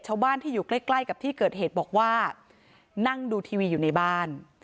ชาวบ้านที่อยู่ใกล้ใกล้กับที่เกิดเหตุบอกว่านั่งดูทีวีอยู่ในบ้าน